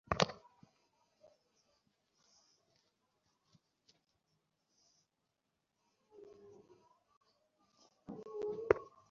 গলা সবসময় শুকিয়ে থাকত!